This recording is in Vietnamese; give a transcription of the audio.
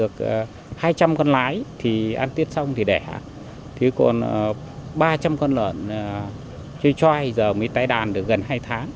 còn ba trăm linh con lợn chơi chói giờ mới tái đàn được gần hai tháng